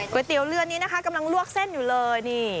เตี๋ยวเรือนนี้นะคะกำลังลวกเส้นอยู่เลยนี่